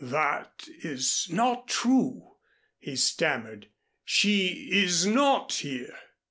"That is not true," he stammered. "She is not here."